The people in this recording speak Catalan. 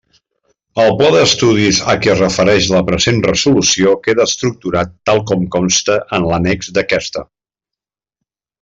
El pla d'estudis a què es refereix la present resolució queda estructurat tal com consta en l'annex d'aquesta.